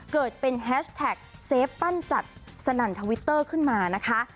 เกิดเป็นแฮชแท็กเซฟปั้นจัดสนั่นทวิตเตอร์ขึ้นมานะคะ